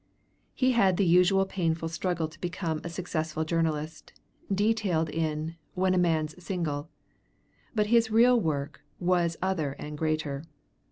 He had the usual painful struggle to become a successful journalist, detailed in 'When a Man's Single'; but his real work was other and greater.